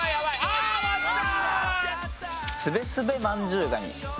あ終わった！